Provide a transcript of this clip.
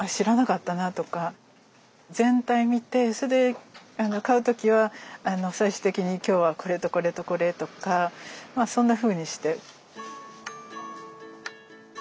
全体見てそれで買う時は最終的に今日はこれとこれとこれとかまあそんなふうにして。